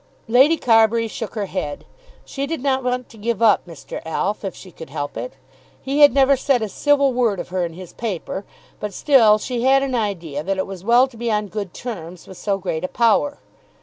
Lady Carbury shook her head. She did not want to give up Mr. Alf if she could help it. He had never said a civil word of her in his paper; but still she had an idea that it was well to be on good terms with so great a power.